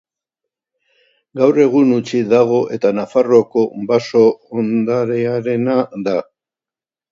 Gaur egun hutsik dago eta Nafarroako Baso-Ondarearena da.